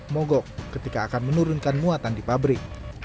mogok ketika akan menurunkan muatan di pabrik